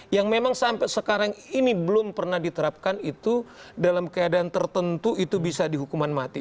yang memang sampai sekarang ini belum pernah diterapkan itu dalam keadaan tertentu itu bisa dihukuman mati